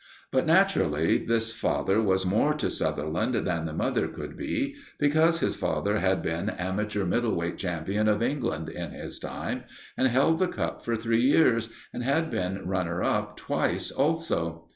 But naturally this father was more to Sutherland than the mother could be; because his father had been amateur middle weight champion of England in his time, and held the cup for three years, and had been runner up twice also.